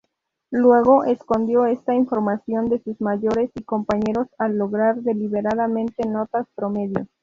Luego escondió esta información de sus mayores y compañeros al lograr deliberadamente notas promedio.